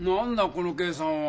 この計算は。